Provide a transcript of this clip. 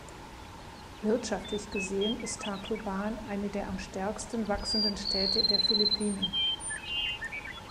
Wirtschaftlich gesehen ist Tacloban eine der am stärksten wachsenden Städte der Philippinen.